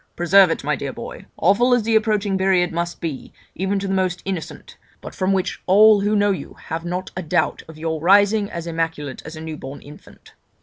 Preserve it, my dear boy, awful as the approaching period must be, even to the most innocent, but from which all who know you have not a doubt of your rising as immaculate as a new born infant.